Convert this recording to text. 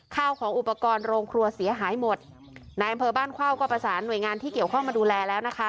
ข้าวของอุปกรณ์โรงครัวเสียหายหมดนายอำเภอบ้านเข้าก็ประสานหน่วยงานที่เกี่ยวข้องมาดูแลแล้วนะคะ